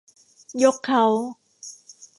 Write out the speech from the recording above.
ยกเค้า